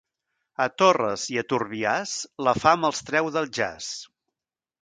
A Torres i a Turbiàs, la fam els treu del jaç.